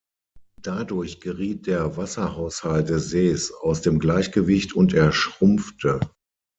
Dadurch geriet der Wasserhaushalt des Sees aus dem Gleichgewicht und er schrumpfte.